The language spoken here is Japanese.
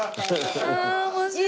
ああ面白い。